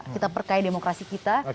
kita perkaya demokrasi kita